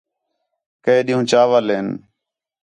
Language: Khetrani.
کَئے ݙِِین٘ہوں چاول ہِن